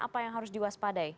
apa yang harus diwaspadai